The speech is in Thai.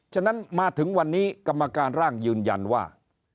ฉะนั้นมาถึงวันนี้กรรมการร่างยืนยันว่า